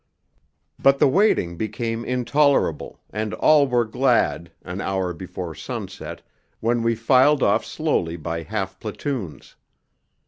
But the waiting became intolerable, and all were glad, an hour before sunset, when we filed off slowly by half platoons.